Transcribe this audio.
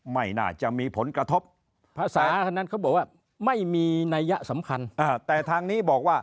ไม่น่าจะมีผลกระทบภาษาเท่านั้นเขาบอกว่าไม่มีนัยยะสำคัญแต่ทางนี้บอกว่า